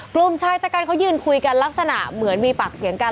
กลุ่มชายชะกันเขายืนคุยกันลักษณะเหมือนมีปากเสียงกัน